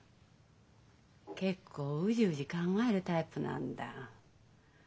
結構ウジウジ考えるタイプなんだ。